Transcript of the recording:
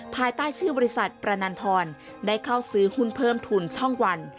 ภายใต้ชื่อบริษัทประนันพรได้เข้าซื้อหุ้นเพิ่มทุนช่องวัน